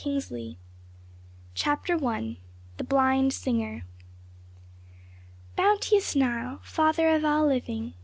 The Amulet CHAPTER I. THE BLIND SINGER. "Bounteous Nile! Father of all living!